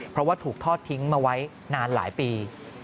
เพราะว่าถูกทอดทิ้งมาไว้นานหลายปี